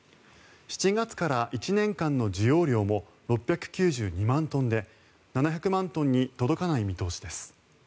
７月から１年間の需要量も６９２万トンで７００万トンに届かない見通しです。